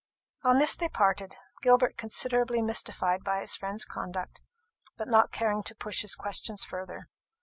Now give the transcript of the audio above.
On this they parted, Gilbert considerably mystified by his friend's conduct, but not caring to push his questions farther.